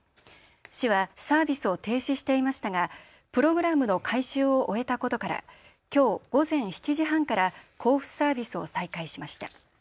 市はサービスを停止していましたがプログラムの改修を終えたことからきょう午前７時半から交付サービスを再開しました。